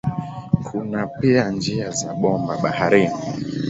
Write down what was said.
Kuna pia njia za bomba baharini.